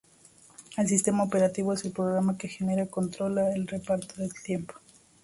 El sistema operativo es el programa que generalmente controla el reparto del tiempo.